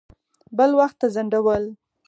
بل وخت ته ځنډول.